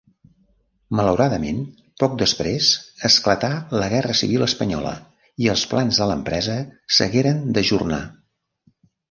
Malauradament, poc després esclatà la guerra civil espanyola i els plans de l'empresa s'hagueren d'ajornar.